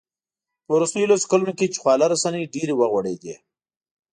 په وروستیو لسو کلونو کې چې خواله رسنۍ ډېرې وغوړېدې